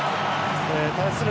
対する